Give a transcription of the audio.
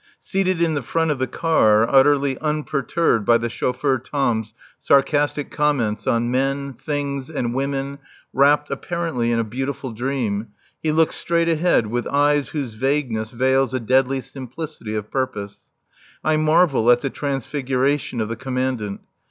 Seated in the front of the car, utterly unperturbed by the chauffeur Tom's sarcastic comments on men, things and women, wrapped (apparently) in a beautiful dream, he looks straight ahead with eyes whose vagueness veils a deadly simplicity of purpose. I marvel at the transfiguration of the Commandant.